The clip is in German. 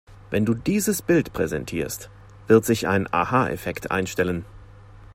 Wenn du dieses Bild präsentierst, wird sich ein Aha-Effekt einstellen.